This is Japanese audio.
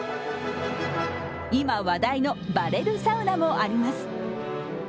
今、話題のバレルサウナもあります